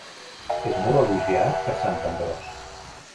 És molt elogiat per Sant Ambròs.